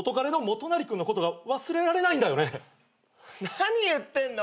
何言ってんの。